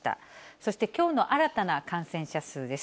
そしてきょうの新たな感染者数です。